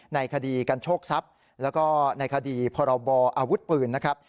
ในคดีกันโชคทรัพย์แล้วก็ในคดีพรบออาวุธปืนนะครับ